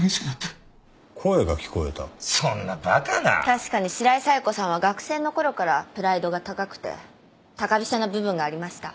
確かに白井冴子さんは学生のころからプライドが高くて高飛車な部分がありました。